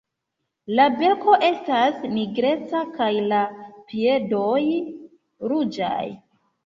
La beko estas nigreca kaj la piedoj ruĝaj.